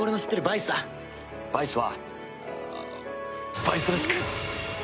バイスはバイスらしく。